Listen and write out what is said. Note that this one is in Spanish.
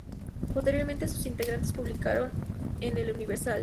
Posteriormente sus integrantes publicaron en "El Universal".